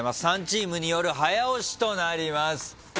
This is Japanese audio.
３チームによる早押しとなります。